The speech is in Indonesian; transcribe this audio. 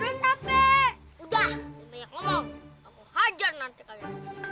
sudah tidak banyak ngomong aku hajar nanti kalian